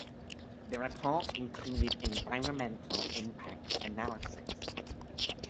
The report included an environmental impact analysis.